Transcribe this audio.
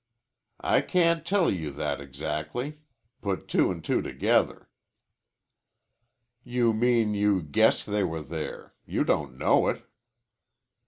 "I can't tell you that exactly. Put two an' two together." "You mean you guess they were there. You don't know it."